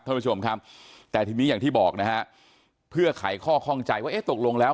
ท่านผู้ชมครับแต่ทีนี้อย่างที่บอกนะฮะเพื่อไขข้อข้องใจว่าเอ๊ะตกลงแล้ว